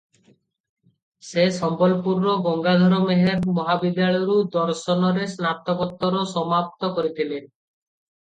ସେ ସମ୍ବଲପୁରର ଗଙ୍ଗାଧର ମେହେର ମହାବିଦ୍ୟାଳୟରୁ ଦର୍ଶନରେ ସ୍ନାତକୋତ୍ତର ସମାପ୍ତ କରିଥିଲେ ।